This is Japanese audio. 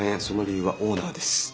その理由はオーナーです。